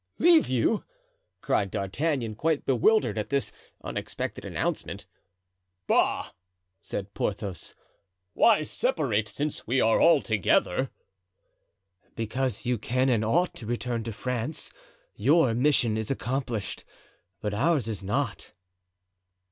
"Leave you!" cried D'Artagnan, quite bewildered at this unexpected announcement. "Bah!" said Porthos, "why separate, since we are all together?" "Because you can and ought to return to France; your mission is accomplished, but ours is not."